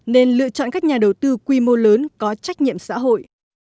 nên lựa chọn các nhà đầu tư quy mô lớn có trách nhiệm xã hội